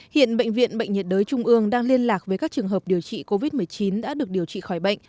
hiện bệnh viện bệnh nhiệt đới trung ương đang liên lạc với các trường hợp điều trị covid một mươi chín đã được điều trị khỏi bệnh